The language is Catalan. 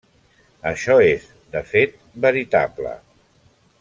Això és, de fet, veritable.